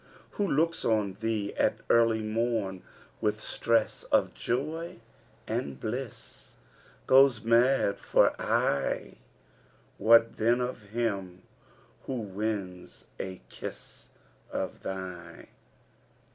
Who looks on thee at early morn with stress of joy and bliss * Goes mad for aye, what then of him who wins a kiss of thine?'